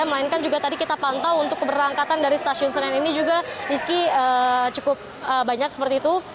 melainkan juga tadi kita pantau untuk keberangkatan dari stasiun senen ini juga rizky cukup banyak seperti itu